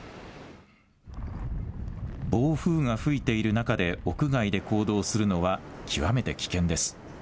暴風が吹いている中で屋外で行動するのは極めて危険です。